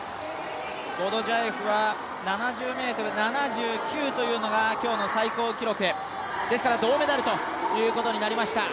コトジャエフは７２ｍ７９というのが今日の最高記録、ですから銅メダルということになりました。